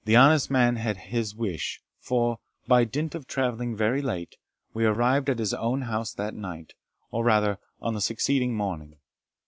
The honest man had his wish; for, by dint of travelling very late, we arrived at his own house that night, or rather on the succeeding morning.